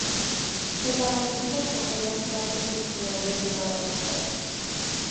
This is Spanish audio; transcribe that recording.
Se caracterizan por ser las plantas originarias de Madagascar.